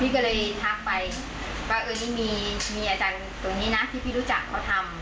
ก็เลยทักไปว่าเออนี่มีอาจารย์ตรงนี้นะที่พี่รู้จักเขาทำ